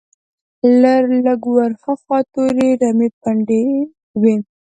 لږ ور هاخوا تورې رمې پنډې وې.